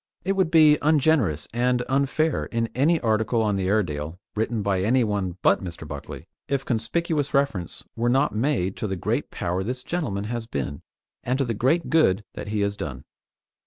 It would be ungenerous and unfair in any article on the Airedale, written by anyone but Mr. Buckley, if conspicuous reference were not made to the great power this gentleman has been, and to the great good that he has done.